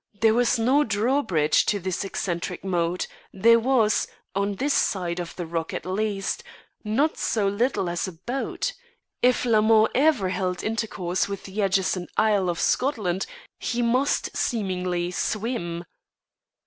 There was no drawbridge to this eccentric moat; there was, on this side of the rock at least, not so little as a boat; if Lamond ever held intercourse with the adjacent isle of Scotland he must seemingly swim.